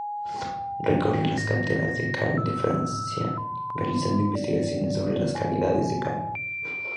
Recorre las canteras de cal de Francia realizando investigaciones sobre las calidades de cal.